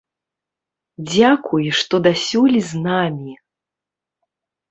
Дзякуй, што дасюль з намі!